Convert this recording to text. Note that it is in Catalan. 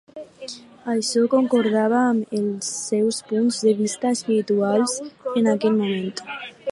Això concordava amb els seus punts de vista espirituals en aquell moment.